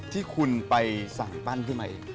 ที่คุณไปสั่งบ้านที่ไหน